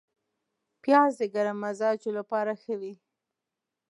پیاز د ګرم مزاجو لپاره ښه وي